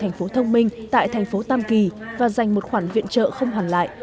thành phố thông minh tại thành phố tam kỳ và dành một khoản viện trợ không hoàn lại